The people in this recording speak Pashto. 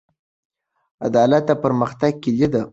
عدالت د پرمختګ کیلي ده.